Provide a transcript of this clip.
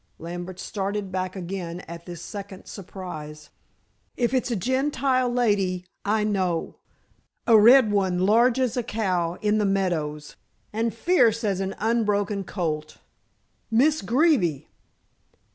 Lambert started back again at this second surprise. "If it's a Gentile lady, I know. A red one large as a cow in the meadows, and fierce as an unbroken colt." "Miss Greeby!"